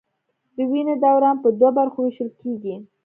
د وینې دوران په دوو برخو ویشل کېږي.